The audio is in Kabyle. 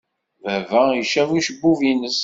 Baba icab ucebbub-nnes.